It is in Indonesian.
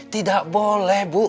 tidak boleh bu